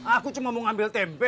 aku cuma mau ngambil tempe